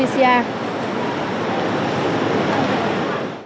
trong thời gian vừa qua